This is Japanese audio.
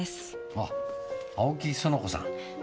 あっ青木苑子さん。